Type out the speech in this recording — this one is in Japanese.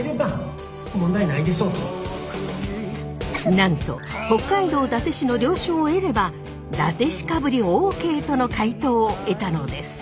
なんと北海道伊達市の了承を得れば伊達市かぶりＯＫとの回答を得たのです。